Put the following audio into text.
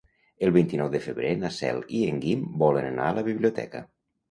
El vint-i-nou de febrer na Cel i en Guim volen anar a la biblioteca.